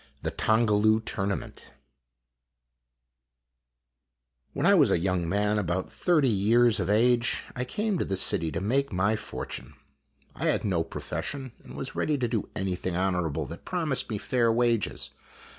THE TONGALOO TOURNAMENT WHEN I was a young man, about thirty years of age, I came to the city to make my fortune. I had no profession and was ready to do anything honorable that promised me fair wages.